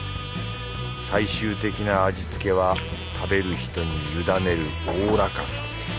最終的な味つけは食べる人に委ねるおおらかさ。